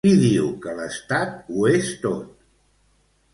Qui diu que l'Estat ho és tot?